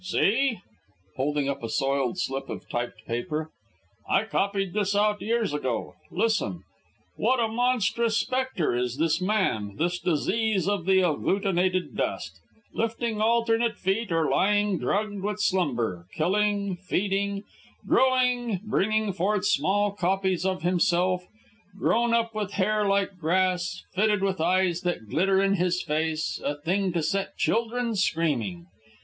"See," holding up a soiled slip of typed paper, "I copied this out years ago. Listen. 'What a monstrous spectre is this man, this disease of the agglutinated dust, lifting alternate feet or lying drugged with slumber; killing, feeding, growing, bringing forth small copies of himself; grown up with hair like grass, fitted with eyes that glitter in his face; a thing to set children screaming.